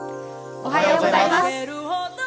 おはようございます。